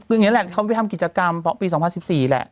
เกรงนี้แหละคุณค้นไปทำกิจกรรมปิดในปี๒๐๑๔แหละ